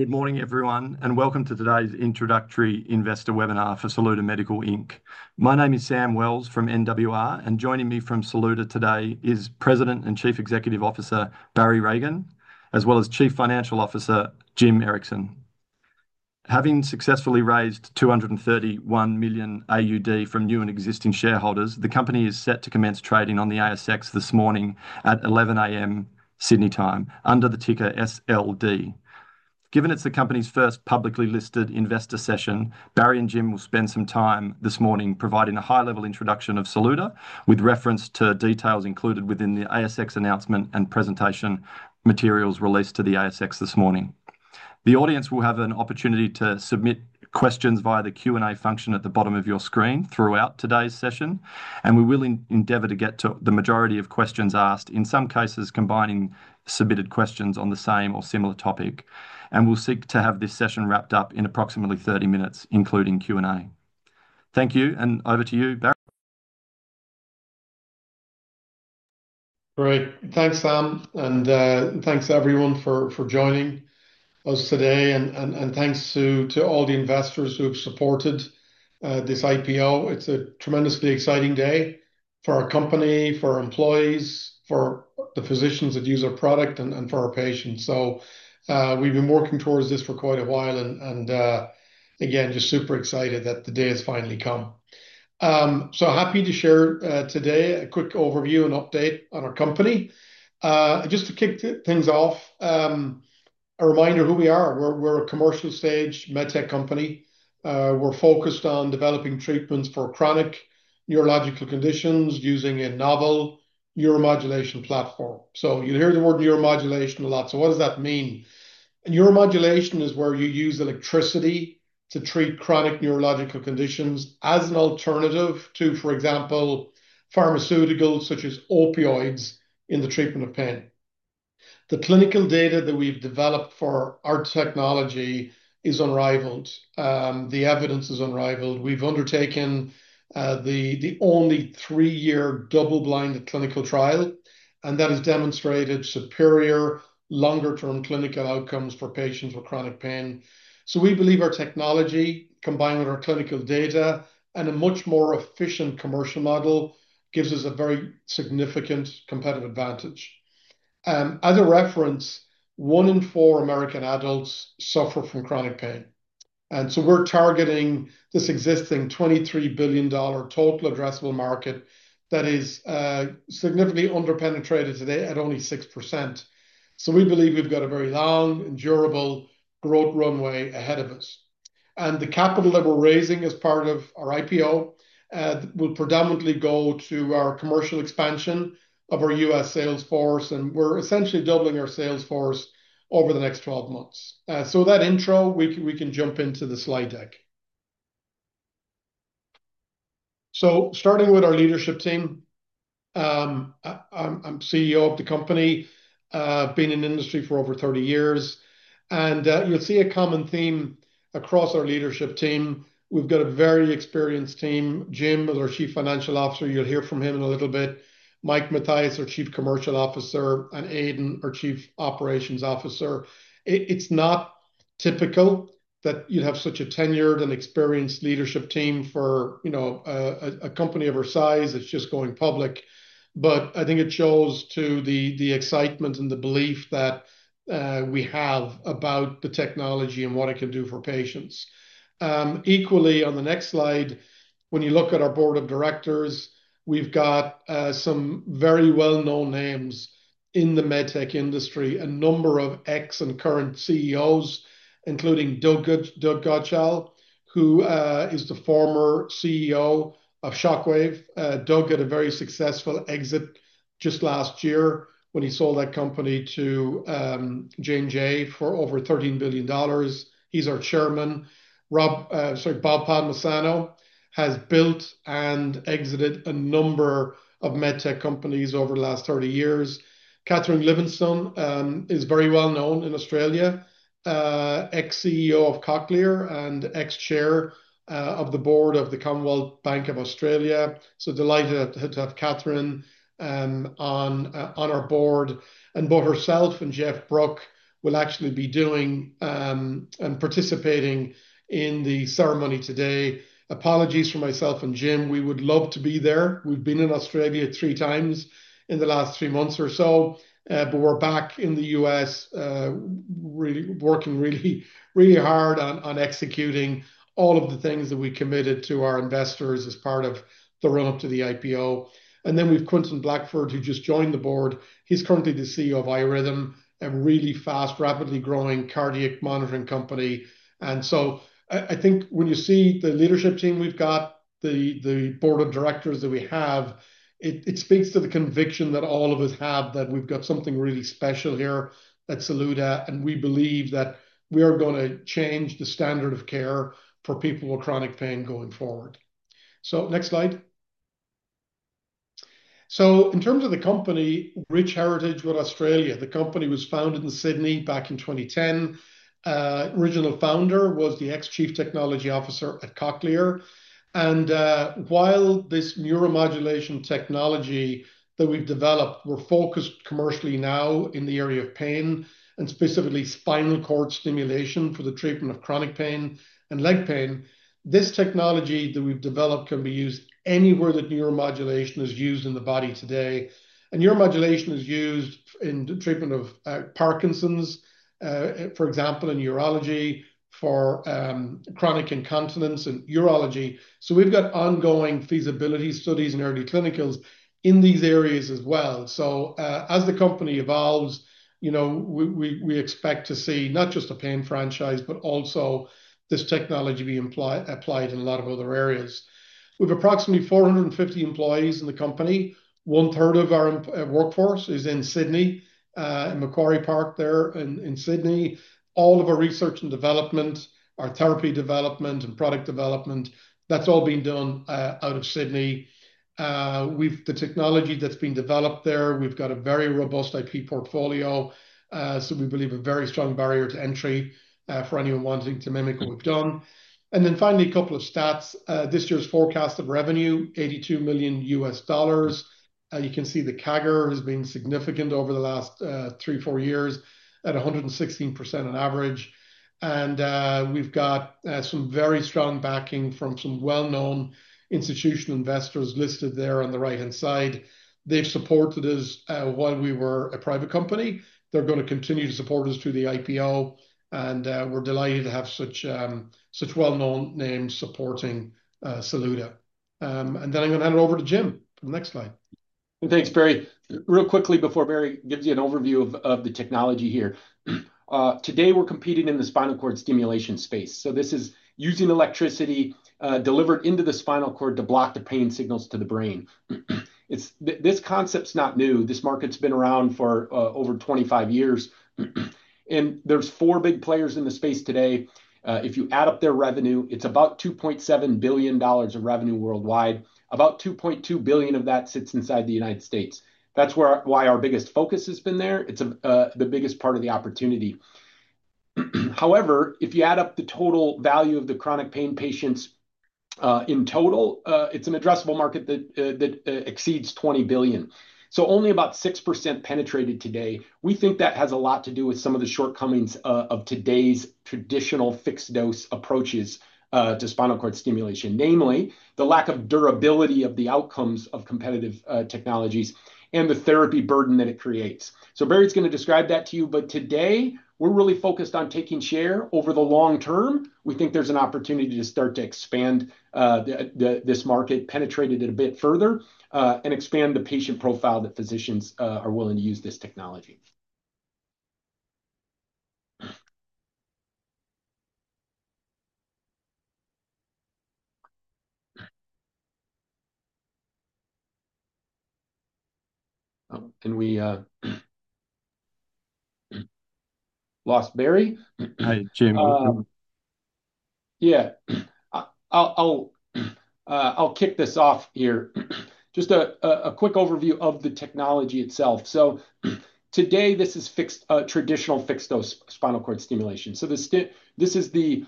Good morning, everyone, and welcome to today's introductory investor webinar for Saluda Medical Inc. My name is Sam Wells from NWR, and joining me from Saluda today is President and Chief Executive Officer, Barry Regan, as well as Chief Financial Officer, Jim Erickson. Having successfully raised 231 million AUD from new and existing shareholders, the company is set to commence trading on the ASX this morning at 11:00 A.M. Sydney time under the ticker SLD. Given it's the company's first publicly listed investor session, Barry and Jim will spend some time this morning providing a high-level introduction of Saluda, with reference to details included within the ASX announcement and presentation materials released to the ASX this morning. The audience will have an opportunity to submit questions via the Q&A function at the bottom of your screen throughout today's session, and we will endeavor to get to the majority of questions asked, in some cases, combining submitted questions on the same or similar topic, and we'll seek to have this session wrapped up in approximately thirty minutes, including Q&A. Thank you, and over to you, Barry. Great. Thanks, Sam, and thanks everyone for joining us today, and thanks to all the investors who have supported this IPO. It's a tremendously exciting day for our company, for our employees, for the physicians that use our product, and for our patients. So we've been working towards this for quite a while, and again, just super excited that the day has finally come. So happy to share today a quick overview and update on our company. Just to kick things off, a reminder of who we are. We're a commercial-stage med tech company. We're focused on developing treatments for chronic neurological conditions using a novel neuromodulation platform. So you'll hear the word neuromodulation a lot. So what does that mean? Neuromodulation is where you use electricity to treat chronic neurological conditions as an alternative to, for example, pharmaceuticals, such as opioids, in the treatment of pain. The clinical data that we've developed for our technology is unrivaled. The evidence is unrivaled. We've undertaken the only three-year double-blind clinical trial, and that has demonstrated superior, longer-term clinical outcomes for patients with chronic pain. So we believe our technology, combined with our clinical data and a much more efficient commercial model, gives us a very significant competitive advantage. As a reference, one in four American adults suffer from chronic pain, and so we're targeting this existing $23 billion total addressable market that is significantly under-penetrated today at only 6%. So we believe we've got a very long and durable growth runway ahead of us. And the capital that we're raising as part of our IPO will predominantly go to our commercial expansion of our U.S. sales force, and we're essentially doubling our sales force over the next 12 months. So with that intro, we can jump into the slide deck. So starting with our leadership team, I'm CEO of the company. I've been in the industry for over 30 years, and you'll see a common theme across our leadership team. We've got a very experienced team. Jim is our Chief Financial Officer. You'll hear from him in a little bit. Mike Mathias, our Chief Commercial Officer, and Aidan, our Chief Operations Officer. It's not typical that you'd have such a tenured and experienced leadership team for, you know, a company of our size that's just going public, but I think it shows to the excitement and the belief that we have about the technology and what it can do for patients. Equally, on the next slide, when you look at our board of directors, we've got some very well-known names in the med tech industry. A number of ex and current CEOs, including Douglas Godshall, who is the former CEO of Shockwave. Douglas had a very successful exit just last year when he sold that company to J&J for over $13 billion. He's our chairman. Rob, sorry, Bob Palmisano has built and exited a number of med tech companies over the last 30 years. Catherine Livingstone is very well known in Australia. Ex-CEO of Cochlear and ex-chair of the board of the Commonwealth Bank of Australia, so delighted to have Catherine on our board. Both herself and Geoff Brooke will actually be doing and participating in the ceremony today. Apologies for myself and Jim. We would love to be there. We've been in Australia three times in the last three months or so, but we're back in the US, really working really hard on executing all of the things that we committed to our investors as part of the run-up to the IPO. Then we've Quinton Blackford, who just joined the board. He's currently the CEO of iRhythm, a really fast, rapidly growing cardiac monitoring company. I think when you see the leadership team we've got, the board of directors that we have, it speaks to the conviction that all of us have that we've got something really special here at Saluda, and we believe that we are gonna change the standard of care for people with chronic pain going forward. So next slide. So in terms of the company, rich heritage with Australia. The company was founded in Sydney back in 2010. Original founder was the ex-Chief Technology Officer at Cochlear, and while this neuromodulation technology that we've developed, we're focused commercially now in the area of pain, and specifically spinal cord stimulation for the treatment of chronic pain and leg pain. This technology that we've developed can be used anywhere that neuromodulation is used in the body today, and neuromodulation is used in the treatment of Parkinson's, for example, in urology, for chronic incontinence and urology. So we've got ongoing feasibility studies and early clinicals in these areas as well. So, as the company evolves, you know, we expect to see not just a pain franchise, but also this technology being applied in a lot of other areas. We've approximately 450 employees in the company. One third of our workforce is in Sydney, in Macquarie Park there in Sydney. All of our research and development, our therapy development and product development, that's all being done out of Sydney. We've... The technology that's been developed there, we've got a very robust IP portfolio, so we believe a very strong barrier to entry, for anyone wanting to mimic what we've done. And then finally, a couple of stats. This year's forecast of revenue, $82 million. You can see the CAGR has been significant over the last, three, four years, at 116% on average. And, we've got, some very strong backing from some well-known institutional investors listed there on the right-hand side. They've supported us, while we were a private company. They're gonna continue to support us through the IPO, and, we're delighted to have such, such well-known names supporting, Saluda. And then I'm gonna hand it over to Jim for the next slide. Thanks, Barry. Really quickly before Barry gives you an overview of the technology here. Today, we're competing in the spinal cord stimulation space, so this is using electricity delivered into the spinal cord to block the pain signals to the brain. It's this concept's not new. This market's been around for over 25 years, and there's four big players in the space today. If you add up their revenue, it's about $2.7 billion of revenue worldwide. About $2.2 billion of that sits inside the United States. That's where, why our biggest focus has been there. It's the biggest part of the opportunity. However, if you add up the total value of the chronic pain patients in total, it's an addressable market that exceeds $20 billion. So only about 6% penetrated today. We think that has a lot to do with some of the shortcomings of today's traditional fixed-dose approaches to spinal cord stimulation, namely the lack of durability of the outcomes of competitive technologies and the therapy burden that it creates. So Barry's gonna describe that to you, but today we're really focused on taking share. Over the long term, we think there's an opportunity to start to expand this market, penetrate it a bit further, and expand the patient profile that physicians are willing to use this technology. And we lost Barry? Hi, Jim. Yeah, I'll kick this off here. Just a quick overview of the technology itself. So, today this is fixed, traditional fixed-dose spinal cord stimulation. So this is the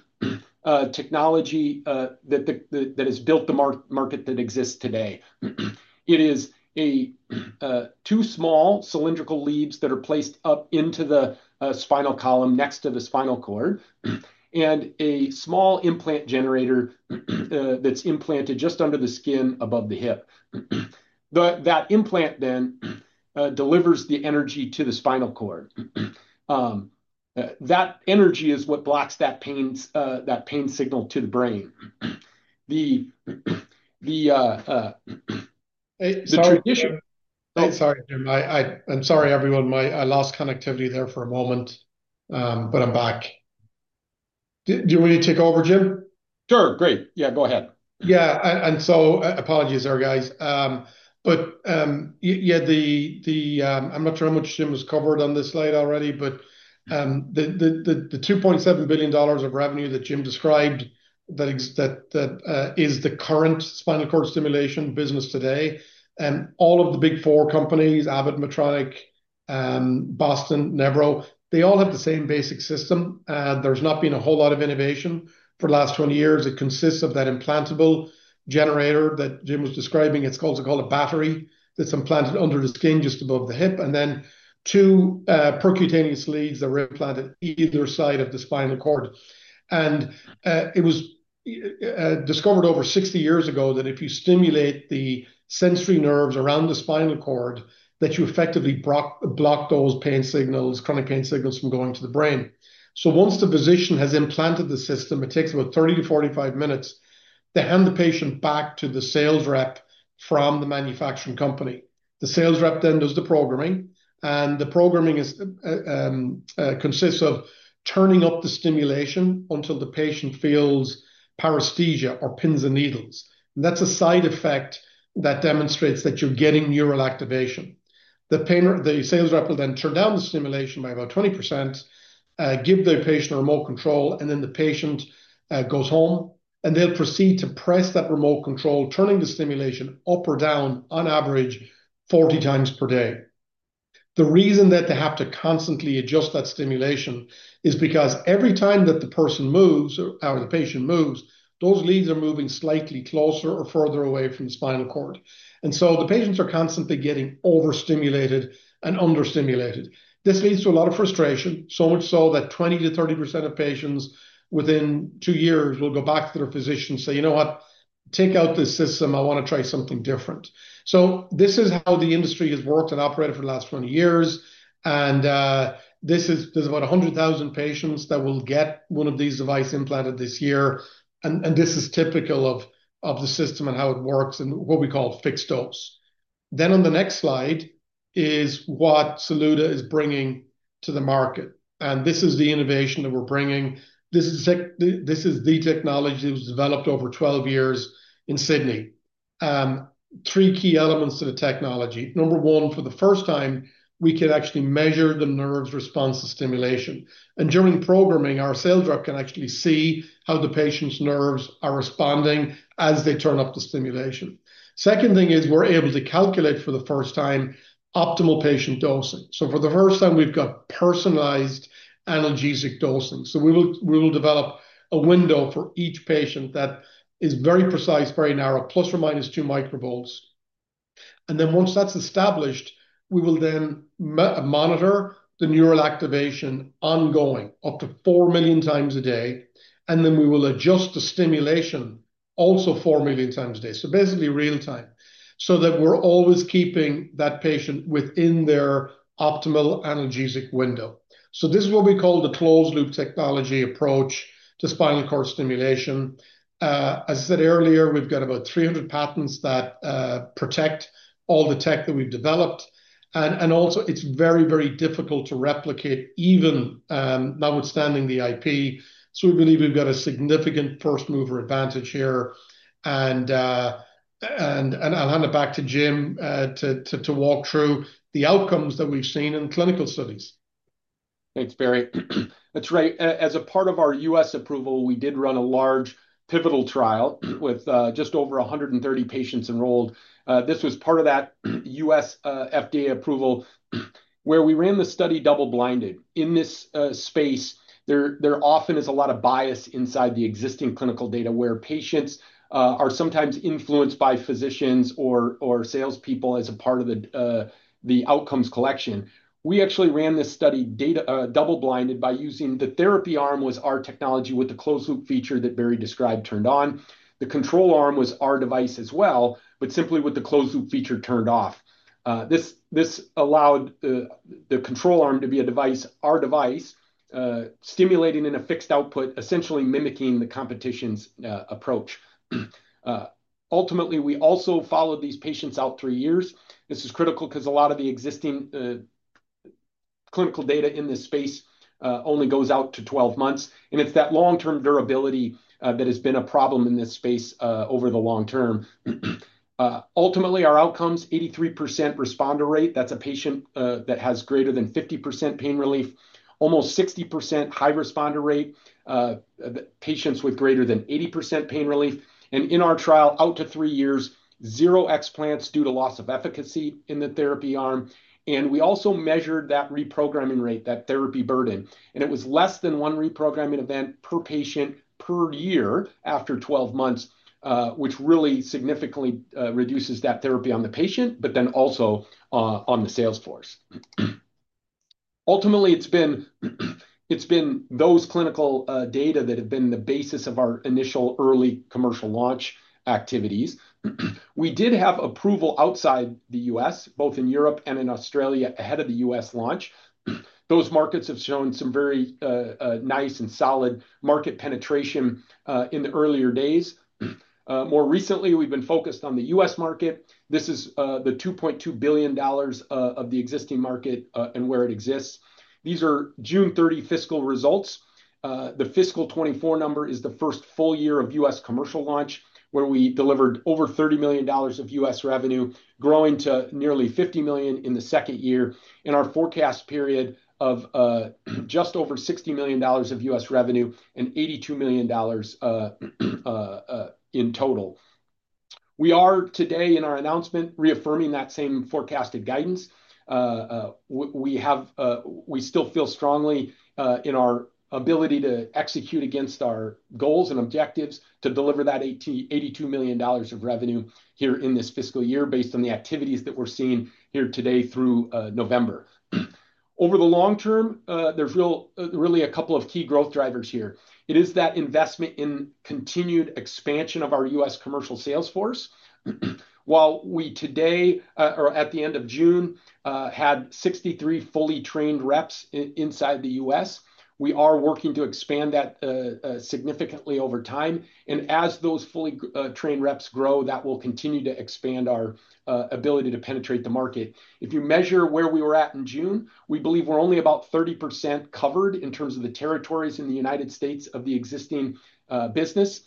technology that has built the market that exists today. It is two small cylindrical leads that are placed up into the spinal column next to the spinal cord, and a small implant generator that's implanted just under the skin above the hip. That implant then delivers the energy to the spinal cord. That energy is what blocks that pain, that pain signal to the brain. Hey, sorry- The tradition- Sorry, Jim. I'm sorry, everyone, I lost connectivity there for a moment, but I'm back. Do you want me to take over, Jim? Sure. Great. Yeah, go ahead. Yeah, and, and so, apologies there, guys. I'm not sure how much Jim has covered on this slide already, but the $2.7 billion of revenue that Jim described, that is the current spinal cord stimulation business today. All of the big four companies, Abbott, Medtronic, Boston, Nevro, they all have the same basic system. There's not been a whole lot of innovation for the last 20 years. It consists of that implantable generator that Jim was describing. It's also called a battery that's implanted under the skin just above the hip, and then two percutaneous leads that are implanted either side of the spinal cord. It was discovered over 60 years ago that if you stimulate the sensory nerves around the spinal cord, that you effectively block those pain signals, chronic pain signals from going to the brain. Once the physician has implanted the system, it takes about 30 minutes-45 minutes. They hand the patient back to the sales rep from the manufacturing company. The sales rep then does the programming, and the programming consists of turning up the stimulation until the patient feels paresthesia or pins and needles. That's a side effect that demonstrates that you're getting neural activation. The sales rep will then turn down the stimulation by about 20%, give the patient a remote control, and then the patient goes home. and they'll proceed to press that remote control, turning the stimulation up or down on average 40 times per day. The reason that they have to constantly adjust that stimulation is because every time that the person moves or the patient moves, those leads are moving slightly closer or further away from the spinal cord. And so the patients are constantly getting over-stimulated and under-stimulated. This leads to a lot of frustration, so much so that 20%-30% of patients within 2 years will go back to their physician and say, "You know what? Take out this system. I wanna try something different." So this is how the industry has worked and operated for the last 20 years, and there's about 100,000 patients that will get one of these device implanted this year. This is typical of the system and how it works and what we call fixed dose. Then on the next slide is what Saluda is bringing to the market, and this is the innovation that we're bringing. This is the technology that was developed over 12 years in Sydney. Three key elements to the technology. Number one, for the first time, we can actually measure the nerve's response to stimulation, and during programming, our sales rep can actually see how the patient's nerves are responding as they turn up the stimulation. Second thing is, we're able to calculate for the first time, optimal patient dosing. So for the first time, we've got personalized analgesic dosing. So we will develop a window for each patient that is very precise, very narrow, plus or minus 2 microvolts. And then once that's established, we will then monitor the neural activation ongoing, up to 4 million times a day, and then we will adjust the stimulation also 4 million times a day. So basically real time, so that we're always keeping that patient within their optimal analgesic window. So this is what we call the closed-loop technology approach to spinal cord stimulation. As I said earlier, we've got about 300 patents that protect all the tech that we've developed, and also it's very, very difficult to replicate, even notwithstanding the IP. So we believe we've got a significant first-mover advantage here, and I'll hand it back to Jim to walk through the outcomes that we've seen in clinical studies. Thanks, Barry. That's right. As a part of our U.S. approval, we did run a large pivotal trial with just over a hundred and thirty patients enrolled. This was part of that U.S. FDA approval, where we ran the study double-blinded. In this space, there often is a lot of bias inside the existing clinical data, where patients are sometimes influenced by physicians or salespeople as a part of the outcomes collection. We actually ran this study data double-blinded by using the therapy arm, was our technology with the closed-loop feature that Barry described, turned on. The control arm was our device as well, but simply with the closed-loop feature turned off. This allowed the control arm to be a device, our device, stimulating in a fixed output, essentially mimicking the competition's approach. Ultimately, we also followed these patients out three years. This is critical 'cause a lot of the existing clinical data in this space only goes out to 12 months, and it's that long-term durability that has been a problem in this space over the long term. Ultimately, our outcomes, 83% responder rate, that's a patient that has greater than 50% pain relief. Almost 60% high responder rate, patients with greater than 80% pain relief. And in our trial, out to three years, zero explants due to loss of efficacy in the therapy arm. And we also measured that reprogramming rate, that therapy burden, and it was less than one reprogramming event per patient, per year after 12 months, which really significantly reduces that therapy on the patient, but then also on the sales force. Ultimately, it's been those clinical data that have been the basis of our initial early commercial launch activities. We did have approval outside the U.S., both in Europe and in Australia, ahead of the U.S. launch. Those markets have shown some very nice and solid market penetration in the earlier days. More recently, we've been focused on the U.S. market. This is the $2.2 billion of the existing market, and where it exists. These are June 30 fiscal results. The fiscal 2024 number is the first full year of U.S. commercial launch, where we delivered over $30 million of U.S. revenue, growing to nearly $50 million in the second year, in our forecast period of just over $60 million of U.S. revenue and $82 million in total. We are today in our announcement, reaffirming that same forecasted guidance. We still feel strongly in our ability to execute against our goals and objectives to deliver that $80 million-82 million of revenue here in this fiscal year, based on the activities that we're seeing here today through November. Over the long term, there's really a couple of key growth drivers here. It is that investment in continued expansion of our U.S. commercial sales force. While we today, or at the end of June, had 63 fully trained reps inside the U.S., we are working to expand that significantly over time, and as those fully trained reps grow, that will continue to expand our ability to penetrate the market. If you measure where we were at in June, we believe we're only about 30% covered in terms of the territories in the United States of the existing business,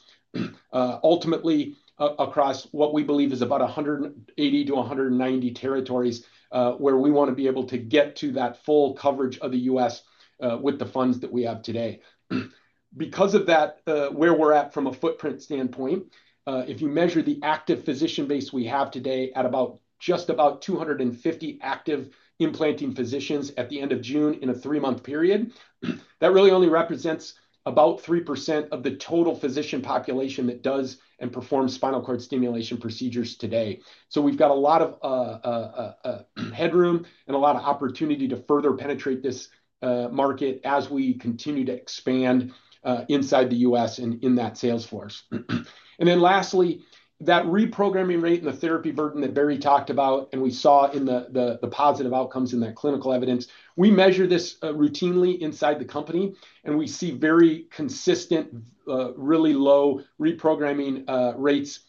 ultimately across what we believe is about 180-190 territories, where we want to be able to get to that full coverage of the US, with the funds that we have today. Because of that, where we're at from a footprint standpoint, if you measure the active physician base we have today at about just about 250 active implanting physicians at the end of June in a three-month period, that really only represents about 3% of the total physician population that does and performs spinal cord stimulation procedures today. So we've got a lot of headroom and a lot of opportunity to further penetrate this market as we continue to expand inside the US and in that sales force. And then lastly, that reprogramming rate and the therapy burden that Barry talked about, and we saw in the positive outcomes in that clinical evidence, we measure this routinely inside the company, and we see very consistent really low reprogramming rates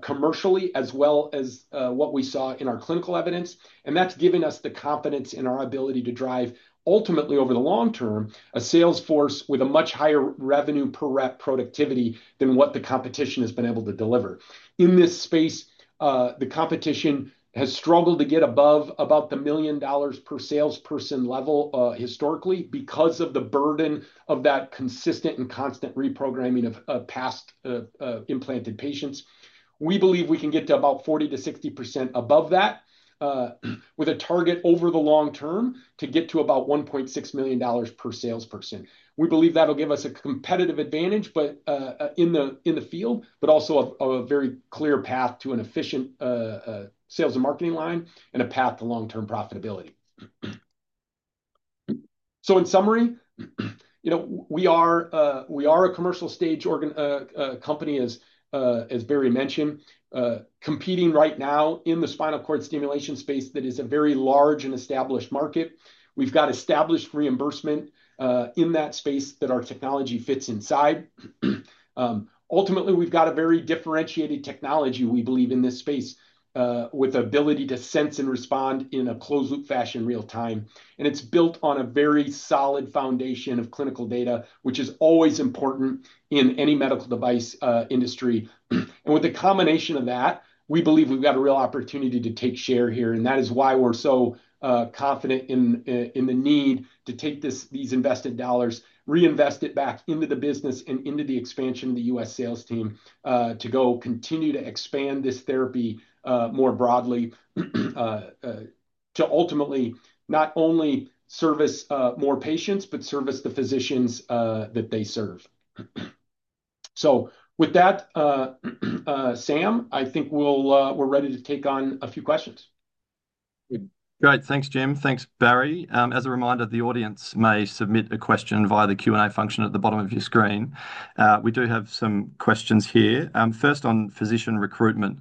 commercially, as well as what we saw in our clinical evidence. And that's given us the confidence in our ability to drive ultimately, over the long term, a sales force with a much higher revenue per rep productivity than what the competition has been able to deliver. In this space, the competition has struggled to get above about $1 million per salesperson level, historically, because of the burden of that consistent and constant reprogramming of past implanted patients. We believe we can get to about 40%-60% above that, with a target over the long term to get to about $1.6 million per salesperson. We believe that'll give us a competitive advantage, but in the field, but also a very clear path to an efficient sales and marketing line and a path to long-term profitability. So in summary, you know, we are a commercial-stage neuromodulation company as Barry mentioned, competing right now in the spinal cord stimulation space that is a very large and established market. We've got established reimbursement in that space that our technology fits inside. Ultimately, we've got a very differentiated technology, we believe, in this space, with the ability to sense and respond in a closed-loop fashion, real time. And it's built on a very solid foundation of clinical data, which is always important in any medical device industry. And with the combination of that, we believe we've got a real opportunity to take share here, and that is why we're so confident in in the need to take these invested dollars, reinvest it back into the business and into the expansion of the U.S. sales team to go continue to expand this therapy more broadly to ultimately not only service more patients, but service the physicians that they serve. So with that, Sam, I think we'll, we're ready to take on a few questions. Great. Thanks, Jim. Thanks, Barry. As a reminder, the audience may submit a question via the Q&A function at the bottom of your screen. We do have some questions here. First, on physician recruitment,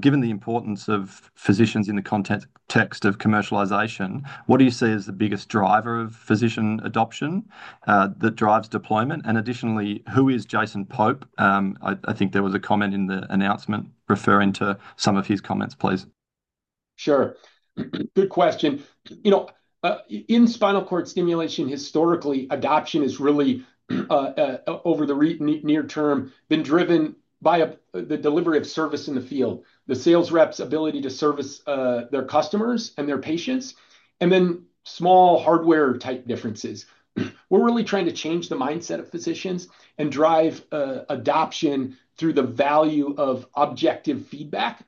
given the importance of physicians in the context of commercialization, what do you see as the biggest driver of physician adoption that drives deployment? And additionally, who is Jason Pope? I think there was a comment in the announcement referring to some of his comments, please. Sure. Good question. You know, in spinal cord stimulation, historically, adoption is really, over the near term, been driven by the delivery of service in the field, the sales rep's ability to service their customers and their patients, and then small hardware-type differences. We're really trying to change the mindset of physicians and drive adoption through the value of objective feedback,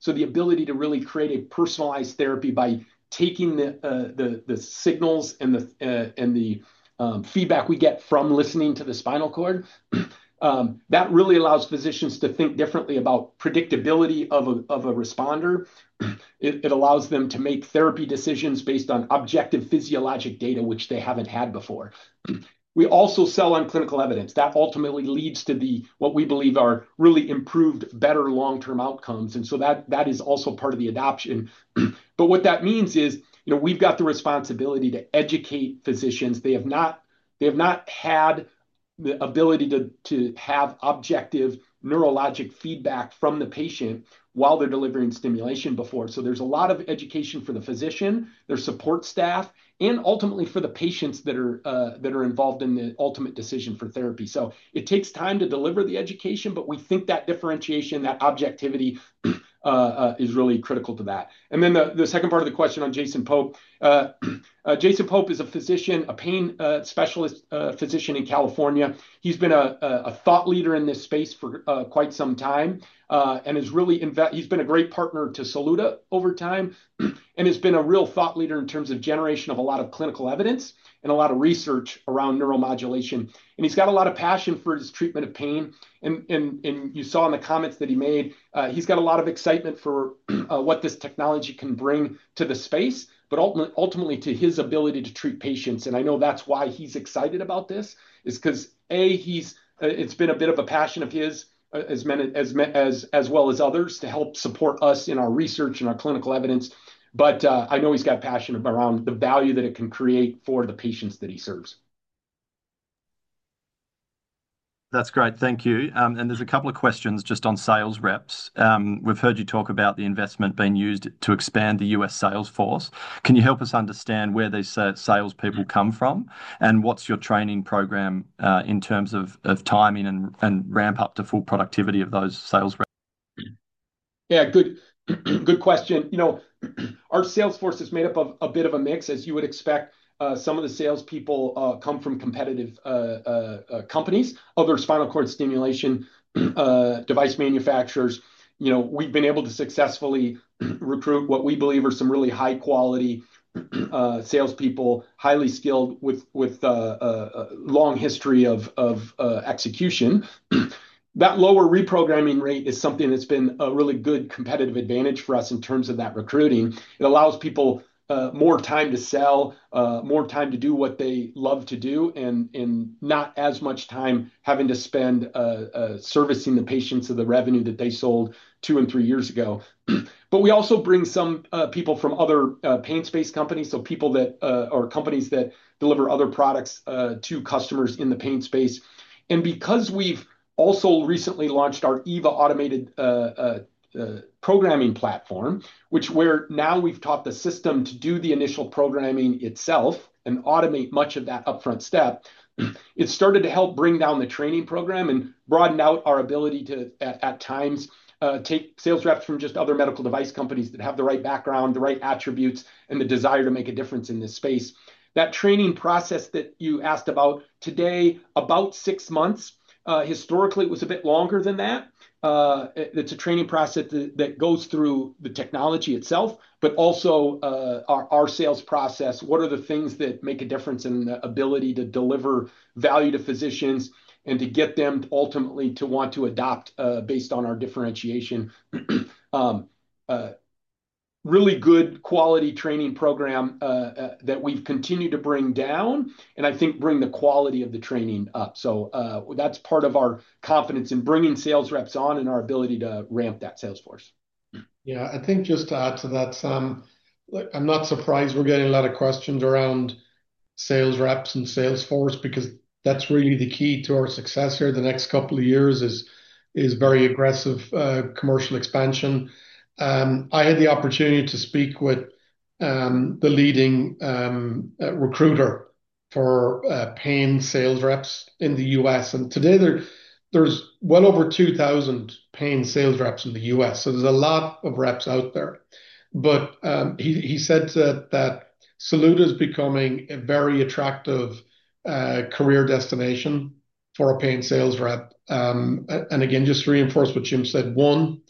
so the ability to really create a personalized therapy by taking the signals and the feedback we get from listening to the spinal cord. That really allows physicians to think differently about predictability of a responder. It allows them to make therapy decisions based on objective physiologic data, which they haven't had before. We also sell on clinical evidence that ultimately leads to the... What we believe are really improved, better long-term outcomes, and so that is also part of the adoption. But what that means is, you know, we've got the responsibility to educate physicians. They have not had the ability to have objective neurologic feedback from the patient while they're delivering stimulation before. So there's a lot of education for the physician, their support staff, and ultimately for the patients that are involved in the ultimate decision for therapy. So it takes time to deliver the education, but we think that differentiation, that objectivity is really critical to that. And then the second part of the question on Jason Pope. Jason Pope is a physician, a pain specialist physician in California. He's been a thought leader in this space for quite some time, and he's been a great partner to Saluda over time, and has been a real thought leader in terms of generation of a lot of clinical evidence and a lot of research around neuromodulation. He's got a lot of passion for his treatment of pain. You saw in the comments that he made, he's got a lot of excitement for what this technology can bring to the space, but ultimately to his ability to treat patients. I know that's why he's excited about this, is 'cause it's been a bit of a passion of his, as well as others, to help support us in our research and our clinical evidence. But, I know he's got passion around the value that it can create for the patients that he serves. That's great. Thank you. And there's a couple of questions just on sales reps. We've heard you talk about the investment being used to expand the U.S. sales force. Can you help us understand where these sales people come from, and what's your training program in terms of timing and ramp up to full productivity of those sales reps? Yeah, good, good question. You know, our sales force is made up of a bit of a mix, as you would expect. Some of the salespeople come from competitive companies, other spinal cord stimulation device manufacturers. You know, we've been able to successfully recruit what we believe are some really high-quality salespeople, highly skilled, with a long history of execution. That lower reprogramming rate is something that's been a really good competitive advantage for us in terms of that recruiting. It allows people more time to sell more time to do what they love to do, and not as much time having to spend servicing the patients of the revenue that they sold two and three years ago. But we also bring some people from other pain space companies, so people that or companies that deliver other products to customers in the pain space. And because we've also recently launched our Eva automated programming platform, which now we've taught the system to do the initial programming itself and automate much of that upfront step, it's started to help bring down the training program and broaden out our ability to at times take sales reps from just other medical device companies that have the right background, the right attributes, and the desire to make a difference in this space. That training process that you asked about, today, about six months. Historically, it was a bit longer than that. It's a training process that goes through the technology itself, but also our sales process. What are the things that make a difference in the ability to deliver value to physicians and to get them ultimately to want to adopt, based on our differentiation? Really good quality training program that we've continued to bring down and I think bring the quality of the training up. So, that's part of our confidence in bringing sales reps on and our ability to ramp that sales force. Yeah, I think just to add to that, Sam, look, I'm not surprised we're getting a lot of questions around sales reps and sales force, because that's really the key to our success here the next couple of years, is very aggressive commercial expansion. I had the opportunity to speak with the leading recruiter for pain sales reps in the U.S., and today there's well over 2,000 pain sales reps in the U.S., so there's a lot of reps out there. But, he said that Saluda is becoming a very attractive career destination for a pain sales rep. And again, just to reinforce what Jim said, one,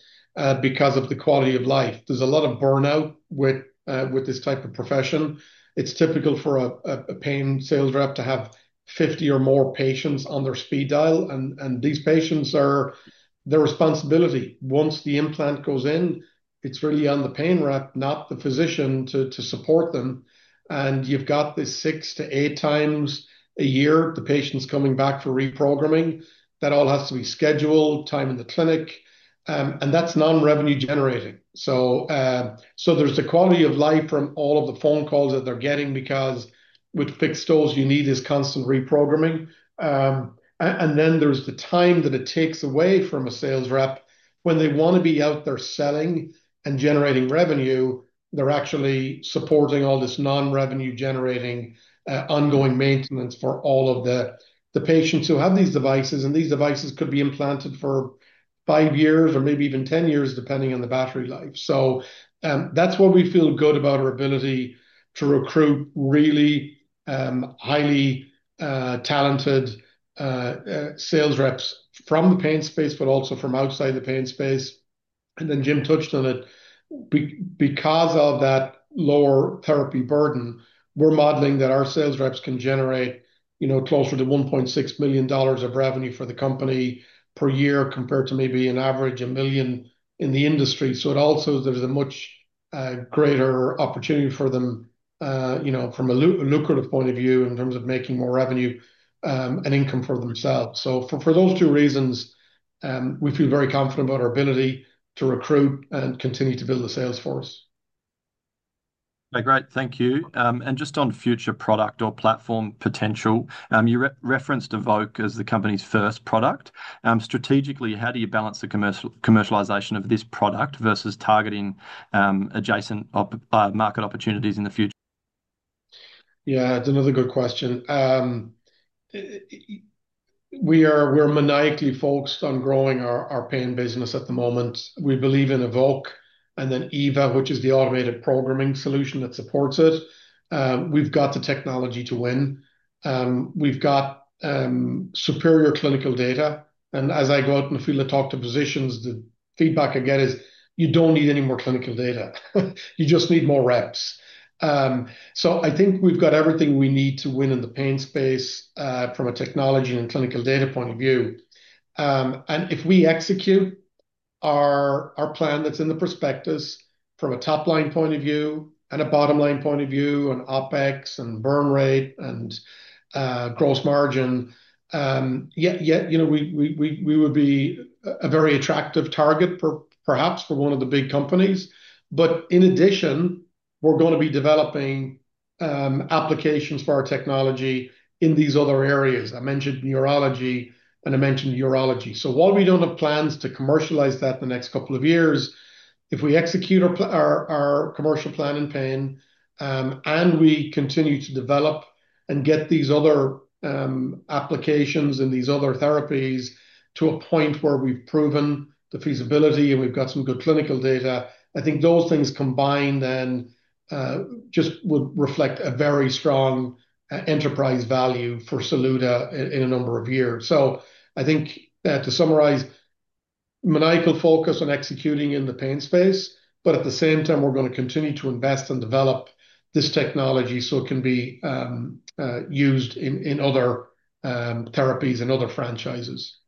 because of the quality of life. There's a lot of burnout with this type of profession. It's typical for a pain sales rep to have 50 or more patients on their speed dial, and these patients are their responsibility. Once the implant goes in, it's really on the pain rep, not the physician, to support them, and you've got this 6-8 times a year, the patient's coming back for reprogramming. That all has to be scheduled, time in the clinic, and that's non-revenue generating. So there's the quality of life from all of the phone calls that they're getting, because with fixed dose, you need this constant reprogramming. And then there's the time that it takes away from a sales rep. When they wanna be out there selling and generating revenue, they're actually supporting all this non-revenue generating ongoing maintenance for all of the patients who have these devices, and these devices could be implanted for five years or maybe even ten years, depending on the battery life. So that's why we feel good about our ability to recruit really highly talented sales reps from the pain space, but also from outside the pain space. And then Jim touched on it. Because of that lower therapy burden, we're modeling that our sales reps can generate you know closer to $1.6 million of revenue for the company per year, compared to maybe on average $1 million in the industry. So it also. There's a much greater opportunity for them, you know, from a lucrative point of view in terms of making more revenue and income for themselves. So for those two reasons, we feel very confident about our ability to recruit and continue to build the sales force. Okay, great. Thank you. And just on future product or platform potential, you referenced Evoke as the company's first product. Strategically, how do you balance the commercialization of this product versus targeting adjacent market opportunities in the future? Yeah, it's another good question. We're maniacally focused on growing our pain business at the moment. We believe in Evoke and then Eva, which is the automated programming solution that supports it. We've got the technology to win. We've got superior clinical data, and as I go out into the field and talk to physicians, the feedback I get is, "You don't need any more clinical data. You just need more reps." So I think we've got everything we need to win in the pain space, from a technology and clinical data point of view. And if we execute our plan that's in the prospectus from a top-line point of view and a bottom-line point of view, on OpEx and burn rate and gross margin, yet you know, we would be a very attractive target perhaps for one of the big companies. But in addition, we're gonna be developing applications for our technology in these other areas. I mentioned neurology, and I mentioned urology. So while we don't have plans to commercialize that in the next couple of years, if we execute our commercial plan in pain, and we continue to develop and get these other applications and these other therapies to a point where we've proven the feasibility, and we've got some good clinical data. I think those things combined then just would reflect a very strong enterprise value for Saluda in a number of years, so I think to summarize, maniacal focus on executing in the pain space, but at the same time, we're gonna continue to invest and develop this technology so it can be used in other therapies and other franchises.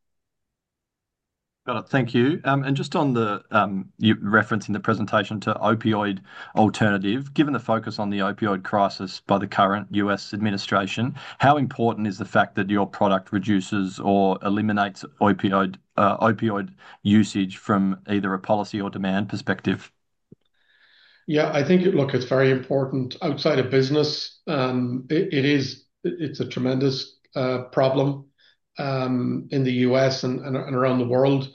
Got it. Thank you. And just on the, you referenced in the presentation to opioid alternative, given the focus on the opioid crisis by the current U.S. administration, how important is the fact that your product reduces or eliminates opioid usage from either a policy or demand perspective? Yeah, I think, look, it's very important. Outside of business, it is a tremendous problem in the US and around the world.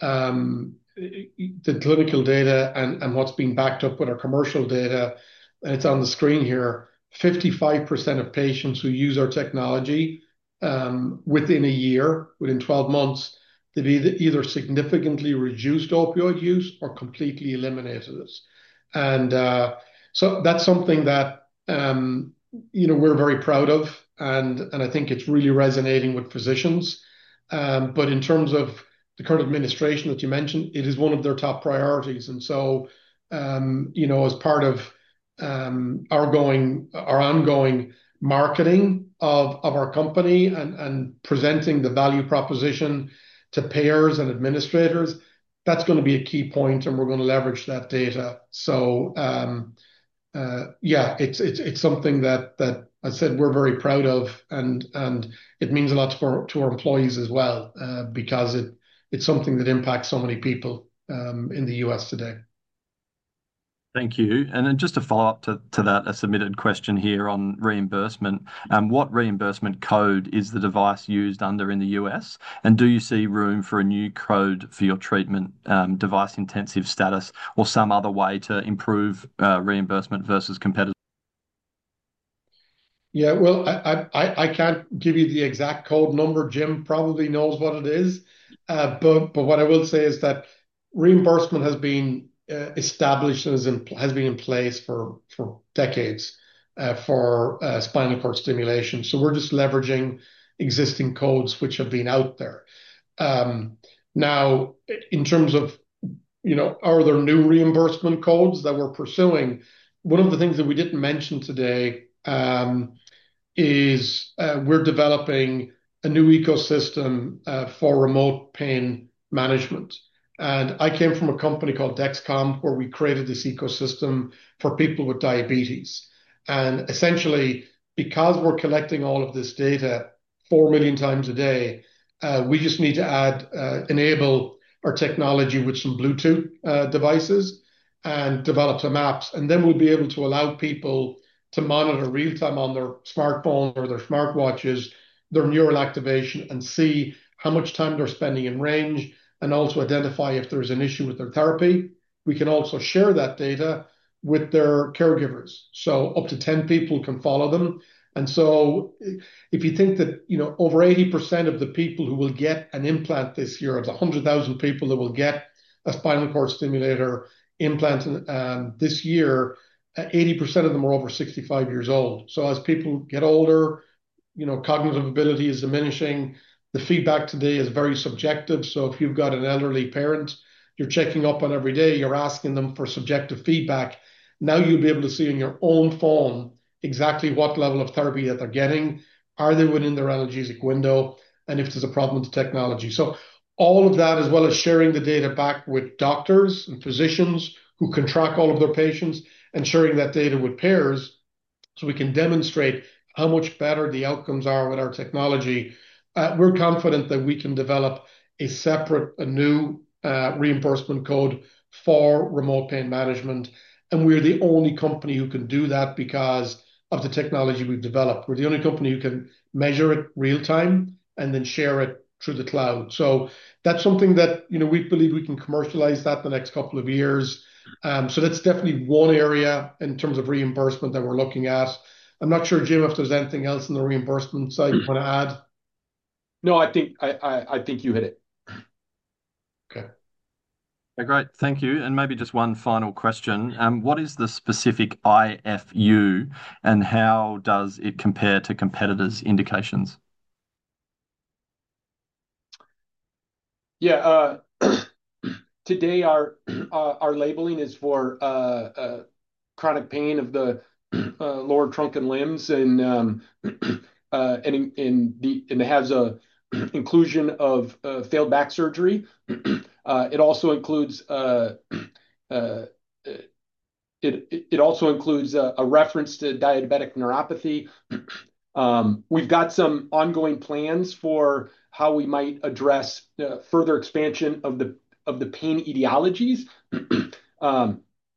The clinical data and what's been backed up with our commercial data, and it's on the screen here, 55% of patients who use our technology, within a year, within twelve months, they've either significantly reduced opioid use or completely eliminated it. And so that's something that, you know, we're very proud of, and I think it's really resonating with physicians. But in terms of the current administration that you mentioned, it is one of their top priorities, and so, you know, as part of our ongoing marketing of our company and presenting the value proposition to payers and administrators, that's gonna be a key point, and we're gonna leverage that data. So, yeah, it's something that I said we're very proud of, and it means a lot to our employees as well, because it's something that impacts so many people in the U.S. today. Thank you. And then just a follow-up to that, a submitted question here on reimbursement. What reimbursement code is the device used under in the U.S., and do you see room for a new code for your treatment, device intensive status or some other way to improve reimbursement versus competitor? Yeah, well, I can't give you the exact code number. Jim probably knows what it is. But what I will say is that reimbursement has been established and has been in place for decades for spinal cord stimulation. So we're just leveraging existing codes, which have been out there. Now, in terms of, you know, are there new reimbursement codes that we're pursuing? One of the things that we didn't mention today is we're developing a new ecosystem for remote pain management. And I came from a company called Dexcom, where we created this ecosystem for people with diabetes, and essentially, because we're collecting all of this data 4 million times a day, we just need to enable our technology with some Bluetooth devices and develop some apps. And then we'll be able to allow people to monitor real-time on their smartphone or their smartwatches, their neural activation, and see how much time they're spending in range and also identify if there is an issue with their therapy. We can also share that data with their caregivers, so up to 10 people can follow them. And so if you think that, you know, over 80% of the people who will get an implant this year, it's 100,000 people that will get a spinal cord stimulator implant this year, 80% of them are over 65 years old. So as people get older, you know, cognitive ability is diminishing. The feedback today is very subjective. So if you've got an elderly parent you're checking up on every day, you're asking them for subjective feedback. Now, you'll be able to see on your own phone exactly what level of therapy that they're getting, are they within their analgesic window, and if there's a problem with the technology. So all of that, as well as sharing the data back with doctors and physicians who can track all of their patients and sharing that data with payers, so we can demonstrate how much better the outcomes are with our technology. We're confident that we can develop a separate, new reimbursement code for remote pain management, and we're the only company who can do that because of the technology we've developed. We're the only company who can measure it real-time and then share it through the cloud. So that's something that, you know, we believe we can commercialize that the next couple of years. So that's definitely one area in terms of reimbursement that we're looking at. I'm not sure, Jim, if there's anything else on the reimbursement side you want to add? No, I think you hit it. Okay. Great. Thank you. And maybe just one final question. What is the specific IFU, and how does it compare to competitors' indications? Yeah, today, our labeling is for chronic pain of the lower trunk and limbs, and it has a inclusion of failed back surgery. It also includes a reference to diabetic neuropathy. We've got some ongoing plans for how we might address the further expansion of the pain etiologies.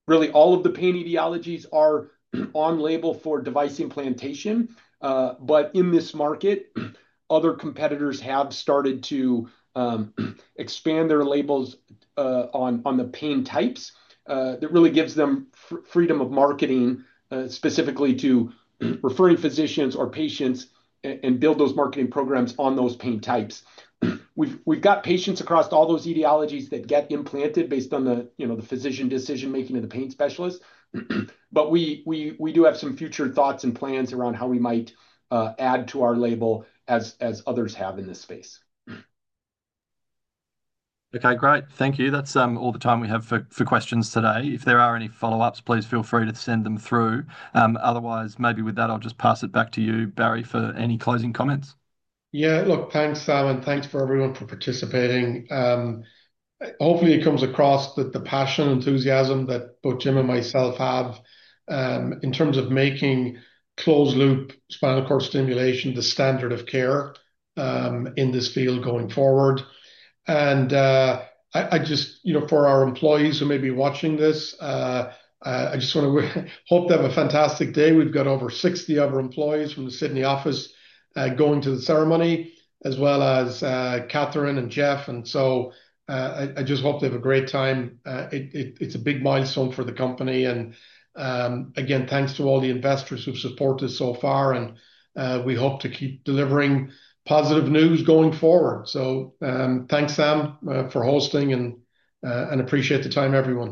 Really, all of the pain etiologies are on label for device implantation. But in this market, other competitors have started to expand their labels on the pain types. That really gives them freedom of marketing, specifically to referring physicians or patients and build those marketing programs on those pain types. We've got patients across all those etiologies that get implanted based on the, you know, the physician decision-making and the pain specialist. But we do have some future thoughts and plans around how we might add to our label as others have in this space. Okay, great. Thank you. That's all the time we have for questions today. If there are any follow-ups, please feel free to send them through. Otherwise, maybe with that, I'll just pass it back to you, Barry, for any closing comments. Yeah. Look, thanks, Sam, and thanks for everyone for participating. Hopefully, it comes across that the passion and enthusiasm that both Jim and myself have, in terms of making closed-loop spinal cord stimulation the standard of care, in this field going forward, and I just... You know, for our employees who may be watching this, I just wanna hope they have a fantastic day. We've got over 60 of our employees from the Sydney office, going to the ceremony, as well as, Catherine and Jeff, and so, I just hope they have a great time. It's a big milestone for the company, and, again, thanks to all the investors who've supported so far, and, we hope to keep delivering positive news going forward. So, thanks, Sam, for hosting, and appreciate the time, everyone.